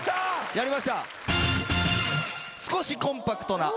やりました。